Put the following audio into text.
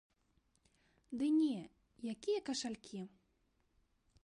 Ды не, якія кашалькі.